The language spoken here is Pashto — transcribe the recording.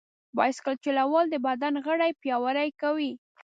بایسکل چلول د بدن غړي پیاوړي کوي.